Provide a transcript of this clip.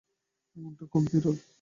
এমনটা খুব বিরল।